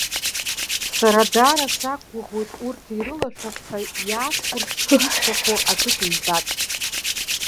Сара даара сақәгәыӷуеит урҭ ирылашәап ҳәа иаасхәарц исҭаху акык-ҩбак.